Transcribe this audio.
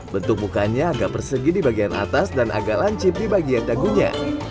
bentuk mukanya agak persegi di bagian atas dan agak lancip di bagian dagunya